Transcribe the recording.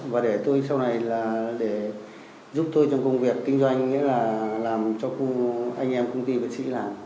và để tôi sau này là để giúp tôi trong công việc kinh doanh nghĩa là làm cho anh em công ty bác sĩ làm